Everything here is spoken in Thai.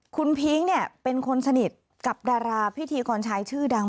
คุณพิ้งเนี่ยเป็นคนสนิทกับดาราพิธีกรชายชื่อดัง